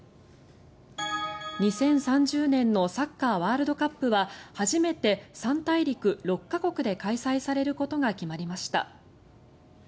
２０３０年のサッカーワールドカップは初めて３大陸６か国で開催されることが決まりました。